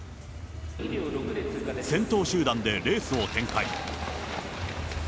先頭集団でレースを展開。